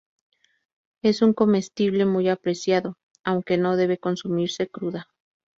Es un comestible muy apreciado, aunque no debe consumirse cruda.